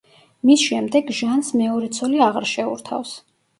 მის შემდეგ ჟანს მეორე ცოლი აღარ შეურთავს.